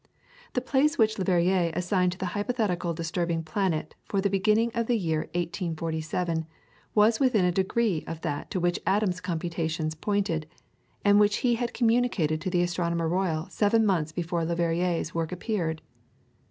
The place which Le Verrier assigned to the hypothetical disturbing planet for the beginning of the year 1847, was within a degree of that to which Adams's computations pointed, and which he had communicated to the Astronomer Royal seven months before Le Verrier's work appeared.